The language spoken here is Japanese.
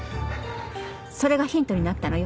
それがヒントになったのよ。